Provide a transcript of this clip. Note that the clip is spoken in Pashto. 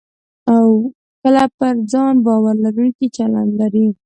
کله پر ځان باور لرونکی چلند لرئ